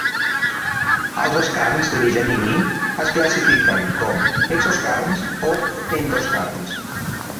Els skarns d'origen igni es classifiquen com "exoskarns" o "endoskarns".